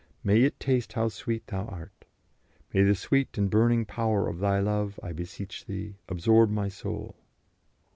May it taste how sweet Thou art.... May the sweet and burning power of Thy love, I beseech Thee, absorb my soul."